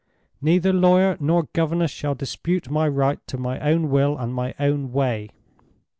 "Neither lawyer nor governess shall dispute my right to my own will and my own way.